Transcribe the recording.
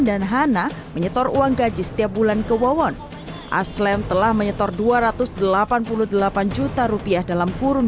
dan hana menyetor uang gaji setiap bulan ke wawon aslem telah menyetor dua ratus delapan puluh delapan juta rupiah dalam kurun